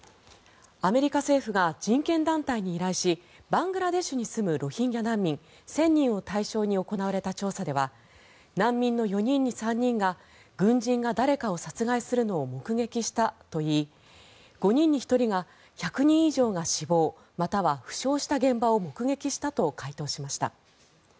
アメリカ政府が人権団体に依頼しバングラデシュに住むロヒンギャ難民１０００人を対象に行われた調査では難民の４人に３人が軍人が誰かを殺害するのを目撃したといい５人に１人が１００人以上が死亡または負傷した現場を目撃したと回答しました。